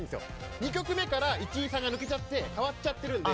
２曲目から市井さんが抜けちゃってかわっちゃってるんで。